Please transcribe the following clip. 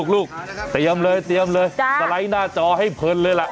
ลูกเตรียมเลยสไลด์หน้าจอให้เพลินเลยล่ะ